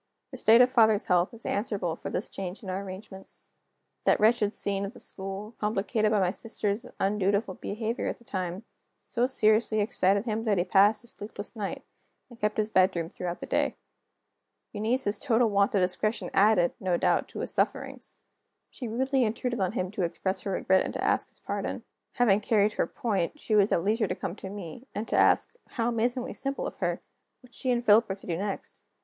The state of father's health is answerable for this change in our arrangements. That wretched scene at the school, complicated by my sister's undutiful behavior at the time, so seriously excited him that he passed a sleepless night, and kept his bedroom throughout the day. Eunice's total want of discretion added, no doubt, to his sufferings: she rudely intruded on him to express her regret and to ask his pardon. Having carried her point, she was at leisure to come to me, and to ask (how amazingly simple of her!) what she and Philip were to do next.